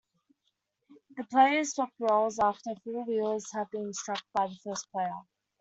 The players swap roles after four wheels have been struck by the first player.